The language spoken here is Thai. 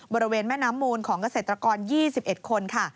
บริเวณแม่น้ำมูลของเกษตรกร๒๑คนค่ะ